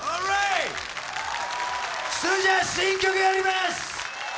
それじゃ、新曲やります！